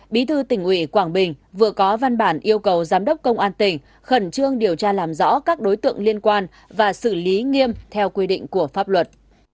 bí thư tỉnh ủy quảng bình vừa có văn bản yêu cầu giám đốc công an tỉnh khẩn trương điều tra làm rõ các đối tượng liên quan và xử lý nghiêm theo quy định của pháp luật